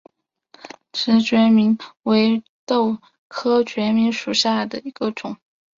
翅荚决明为豆科决明属下的一个种。